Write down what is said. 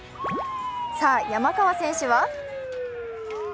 さあ、山川選手は？